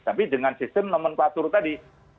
tapi dengan sistem nomen patur tadi